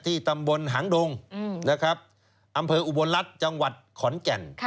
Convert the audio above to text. ที่ตำบลหางดงอำเพออยู่บนรัฐจังหวัดขอนแก่น